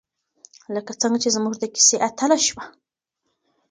لکه څنګه چې زموږ د کیسې اتله شوه.